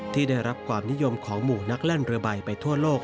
ที่ได้รับความนิยมของหมู่นักแล่นเรือใบไปทั่วโลก